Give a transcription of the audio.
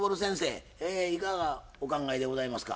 いかがお考えでございますか？